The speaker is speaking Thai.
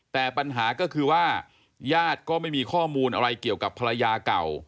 แต่ปัญหาก็คือว่าญาติก็ไม่มีข้อมูลอะไรเกี่ยวกับภรรยาเก่า